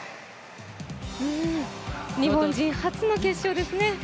日本人初の決勝ですね。